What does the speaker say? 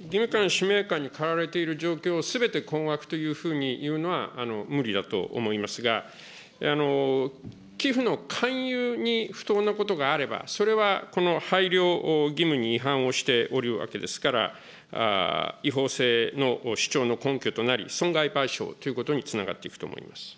義務感、使命感に駆られている状況をすべて困惑というふうに言うのは無理だと思いますが、寄付の勧誘に不当なことがあれば、それはこの配慮義務に違反をしておるわけですから、違法性の主張の根拠となり、損害賠償ということにつながっていくと思います。